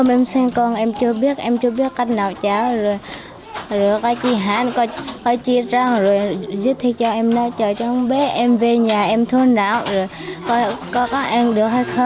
em về nhà em thôi nào coi có có ăn được hay không rồi con bé em vừa được